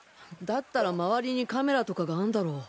だったら周りにカメラとかがあんだろ。